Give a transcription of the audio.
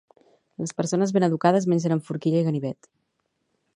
Les persones ben educades mengen amb forquilla i ganivet